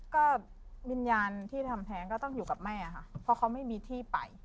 ก็วิญญาณที่ทำแท้งก็ต้องอยู่กับแม่ค่ะเพราะเขาไม่มีที่ไป